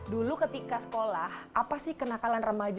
dulu ketika sekolah apa sih kenakalan remaja